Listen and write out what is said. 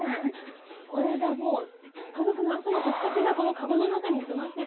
これじゃもう家族の朝の食卓がこの籠の中に詰まってるような。